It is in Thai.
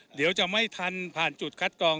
เดี๋ยวจะไม่ทันผ่านจุดคัดกอง